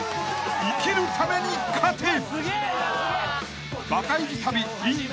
［生きるために勝て！］